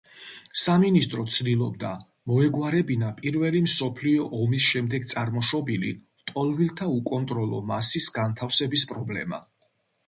სამინისტრო ცდილობდა, მოეგვარებინა პირველი მსოფლიო ომის შემდეგ წარმოშობილი ლტოლვილთა უკონტროლო მასის განთავსების პრობლემა.